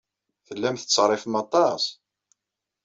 Tellam tettṣerrifem aṭas.